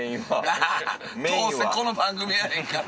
どうせこの番組やねんから。